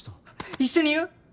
一緒に言う？